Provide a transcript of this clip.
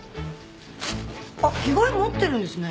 あっ着替え持ってるんですね。